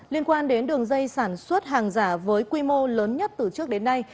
liên quan đến đường dây sản xuất hàng giả với quy mô lớn nhất từ trước đến nay